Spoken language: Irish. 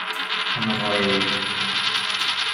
An Ghréig